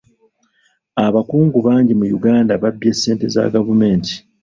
Abakungu bangi mu Uganda babbye ssente za gavumenti.